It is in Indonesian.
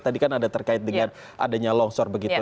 tadi kan ada terkait dengan adanya longsor begitu